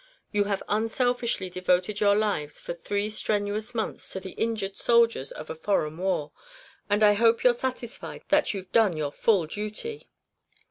You have unselfishly devoted your lives for three strenuous months to the injured soldiers of a foreign war, and I hope you're satisfied that you've done your full duty."